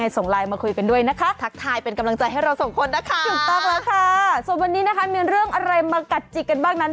ส่วนวันนี้นะคะมีเรื่องอะไรมากัดจิกกันบ้างนั้น